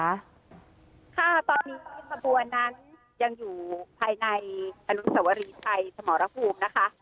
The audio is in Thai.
ค่ะตอนนี้ขบวนนั้นยังอยู่ภายในอนุสวรีชัยสมรภูมินะคะ